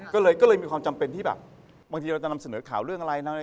ก็เลยมีความจำเป็นที่แบบบางทีเราจะนำเสนอข่าวเรื่องอะไรนะ